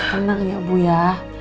tenang ya ibu ya